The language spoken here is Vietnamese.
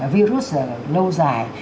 virus lâu dài